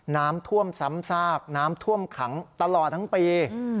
น้ำท่วมซ้ำซากน้ำท่วมขังตลอดทั้งปี